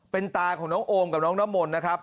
เป็นตาของน้องโอมกับน้องน้ำมนต์นะครับ